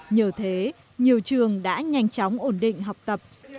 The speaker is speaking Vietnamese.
nhờ thế nhiều trường đã nhanh chóng ổn định học tập